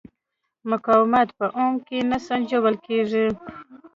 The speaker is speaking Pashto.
مقاومت په اوم کې سنجول کېږي.